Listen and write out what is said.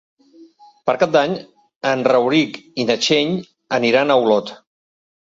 Per Cap d'Any en Rauric i na Txell aniran a Olot.